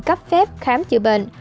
cấp phép khám chữa bệnh